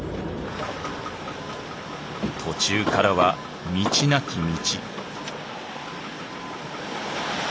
途中からは道なき道。